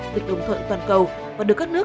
việc đồng thuận toàn cầu và được các nước